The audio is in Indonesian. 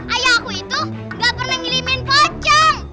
ayahku itu nggak pernah ngirimin pocong